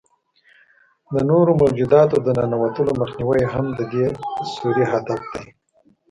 د نورو موجوداتو د ننوتلو مخنیوی هم د دې سوري هدف دی.